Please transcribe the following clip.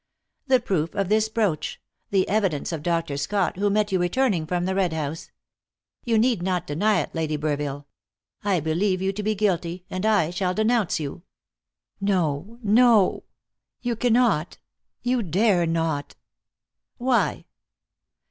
"The proof of this brooch; the evidence of Dr. Scott, who met you returning from the Red House. You need not deny it, Lady Burville. I believe you to be guilty, and I shall denounce you." "No, no! You cannot you dare not!" "Why?"